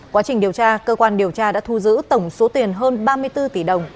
quá trình điều tra cơ quan điều tra đã thu giữ tổng số tiền hơn ba mươi bốn tỷ đồng